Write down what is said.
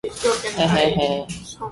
一人逆眾人